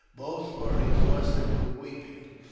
Both were exhausted with weeping.